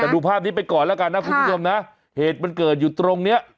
แต่ดูภาพนี้ไปก่อนแล้วกันนะคุณผู้ชมนะเหตุมันเกิดอยู่ตรงเนี้ย